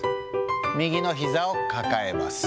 右のひざを抱えます。